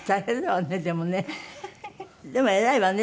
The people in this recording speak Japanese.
でも偉いわね。